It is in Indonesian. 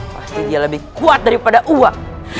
pasti dia lebih kuat daripada uang